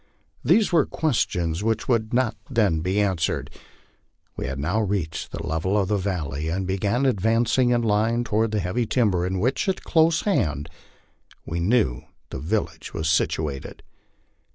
These were questions which could not then be answered. We had now reached the level of the valley, and be gan advancing in line toward the heavy timber in which and close at hand we knew the village was situated.